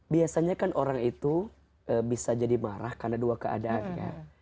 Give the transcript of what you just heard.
biasanya kan orang itu bisa jadi marah karena dua keadaannya